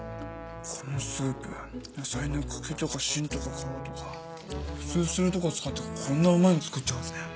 このスープ野菜の茎とかしんとか皮とか普通捨てるとこ使ってこんなうまいの作っちゃうんですね。